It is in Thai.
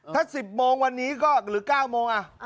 ถ้า๑๐โมงวันนี้ก็หรือ๙โมง